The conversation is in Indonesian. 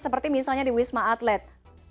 seperti misalnya di wisma atlet